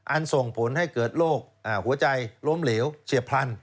ส่งผลให้เกิดโรคหัวใจล้มเหลวเฉียบพลัน